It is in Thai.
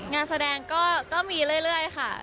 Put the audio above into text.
งานแสดงก็มีเรื่อยค่ะ